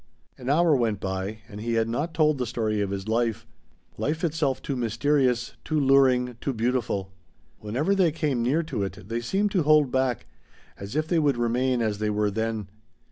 An hour went by and he had not told the story of his life, life itself too mysterious, too luring, too beautiful. Whenever they came near to it they seemed to hold back, as if they would remain as they were then.